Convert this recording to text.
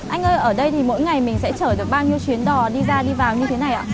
anh ơi ở đây thì mỗi ngày mình sẽ chở được bao nhiêu chuyến đò đi ra đi vào như thế này ạ